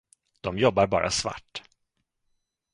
Dom jobbar bara svart.